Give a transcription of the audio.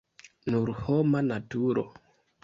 Nur homa naturo.